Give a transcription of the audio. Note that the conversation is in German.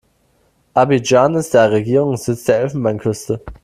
Abidjan ist der Regierungssitz der Elfenbeinküste.